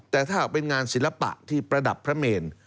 แต่ถ้าหากเป็นงานศิลปะที่ประดับพระเมน